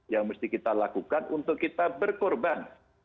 yang mesti kita lakukan untuk kita berkorban